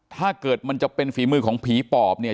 ถ้าเกิดมันจะเป็นฝีมือของผีปอบเนี่ย